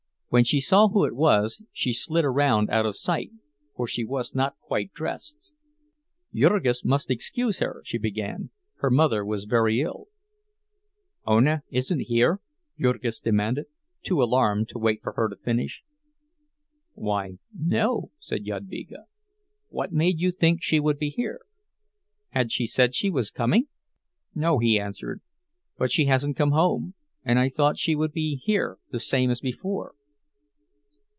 When she saw who it was, she slid around out of sight, for she was not quite dressed. Jurgis must excuse her, she began, her mother was very ill— "Ona isn't here?" Jurgis demanded, too alarmed to wait for her to finish. "Why, no," said Jadvyga. "What made you think she would be here? Had she said she was coming?" "No," he answered. "But she hasn't come home—and I thought she would be here the same as before."